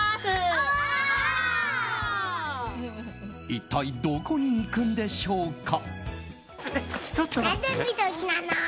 一体どこに行くんでしょうか。